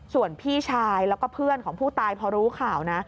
ส่วนพี่ชายแล้วก็เพื่อนของผู้ตายพอรู้ข่าวนะ